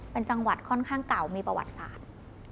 เป็นจังหวัดค่อนข้างเก่ามีประวัติศาสตร์